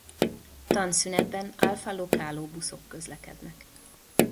Tanszünetben Alfa Localo buszok közlekednek.